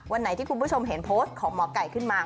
วันไหนที่คุณผู้ชมเห็นโพสต์ของหมอไก่ขึ้นมา